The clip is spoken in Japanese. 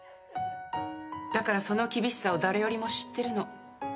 だからその厳しさを誰よりも知ってるの。